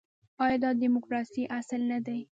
آیا دا د ډیموکراسۍ اصل نه دی؟